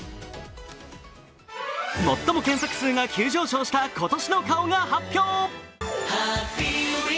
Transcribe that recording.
最も検索数が急上昇した今年の顔が発表。